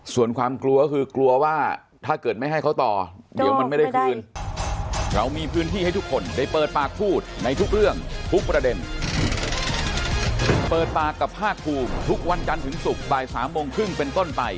ส่วนความกลัวก็คือกลัวว่าถ้าเกิดไม่ให้เขาต่อเดี๋ยวมันไม่ได้คืน